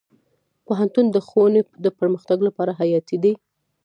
پوهنتون د ښوونې د پرمختګ لپاره حیاتي دی.